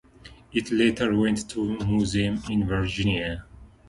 It later went to the museum in Virginia.